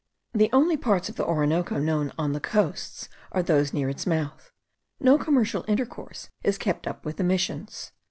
The only parts of the Orinoco known on the coasts are those near its mouth. No commercial intercourse is kept up with the Missions.